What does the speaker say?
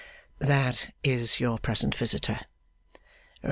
'That is your present visitor.